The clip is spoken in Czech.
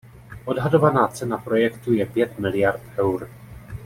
Odhadovaná cena projektu je pět miliard eur.